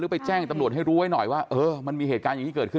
ไปแจ้งตำรวจให้รู้ไว้หน่อยว่าเออมันมีเหตุการณ์อย่างนี้เกิดขึ้น